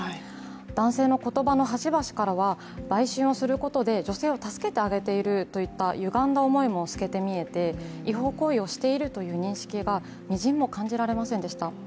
男性の言葉の端々からは売春をすることで女性を助けてあげているといったゆがんだ思いも透けて見えて違法行為をしているという認識がみじんも感じられませんでした。